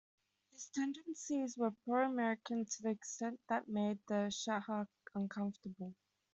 His tendencies were pro-American to the extent that made the Shah uncomfortable.